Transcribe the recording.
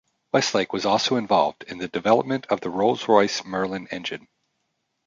Weslake was also involved in the development of the Rolls-Royce Merlin engine.